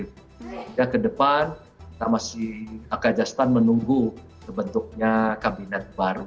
ya ke depan kita masih kajastan menunggu terbentuknya kabinet baru